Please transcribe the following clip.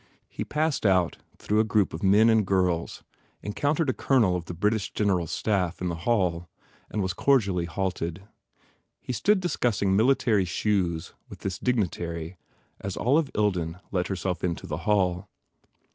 He passed out through a group of men and girls, encountered a Colonel of the British Gen eral Staff in the hall and was cordially halted. He stood discussing military shoes with this dig nitary as Olive Ilden let herself into the hall.